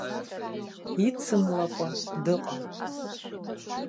Ицымлакәа дыҟам.